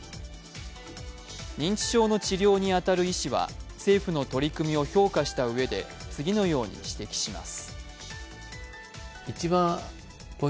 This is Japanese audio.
認知症の治療に当たる医師は、政府の取り組みを評価したうえで次のように指摘します。